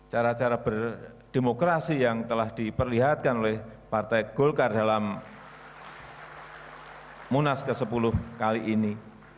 cara cara berdemokrasi yang telah diperlihatkan oleh partai golkar dalam munas ke sepuluh kali ini